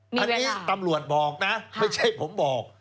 อันนี้ตำรวจบอกนะไม่ใช่ผมบอก